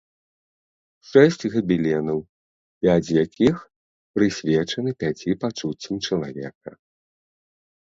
Шэсць габеленаў, пяць з якіх прысвечаны пяці пачуццям чалавека.